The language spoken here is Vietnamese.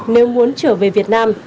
nếu muốn trở về việt nam